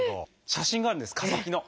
写真があるんです化石の。